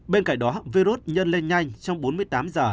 bên cạnh đó virus nhân lên nhanh trong bốn mươi tám giờ